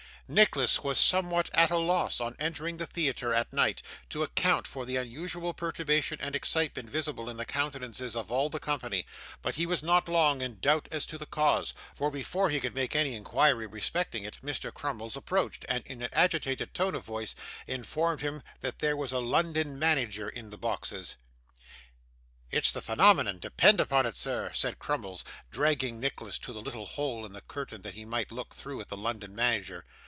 Nicholas was somewhat at a loss, on entering the theatre at night, to account for the unusual perturbation and excitement visible in the countenances of all the company, but he was not long in doubt as to the cause, for before he could make any inquiry respecting it Mr. Crummles approached, and in an agitated tone of voice, informed him that there was a London manager in the boxes. 'It's the phenomenon, depend upon it, sir,' said Crummles, dragging Nicholas to the little hole in the curtain that he might look through at the London manager.